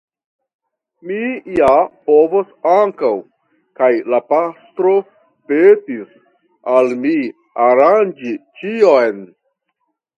Mi ja povas ankaŭ, kaj la pastro petis al mi aranĝi ĉion.